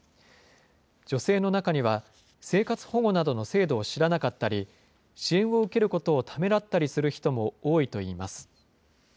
女性の中には、生活保護などの制度を知らなかったり、支援を受けることをためらったりする人も多いといいます。